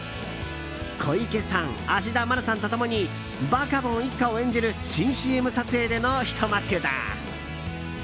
小池さん、芦田愛菜さんと共にバカボン一家を演じる新ＣＭ撮影でのひと幕だ。